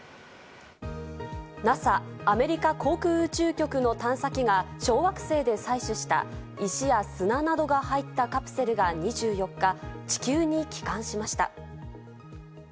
ＮＡＳＡ＝アメリカ航空宇宙局の探査機が小惑星で採取した石や砂などが入ったカプセルが２４日、地球に帰還しました。